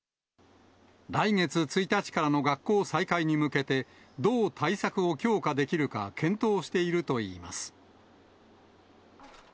来月１日からの学校再開に向けて、どう対策を強化できるか検討しているといいます。